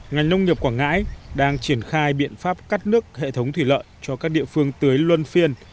ngành nông nghiệp quảng ngãi đang triển khai biện pháp cắt nước hệ thống thủy lợi cho các địa phương tưới luân phiên